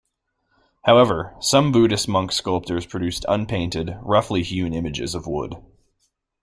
However, some Buddhist monk sculptors produced unpainted, roughly hewn images of wood.